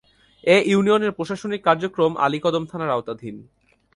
এ ইউনিয়নের প্রশাসনিক কার্যক্রম আলীকদম থানার আওতাধীন।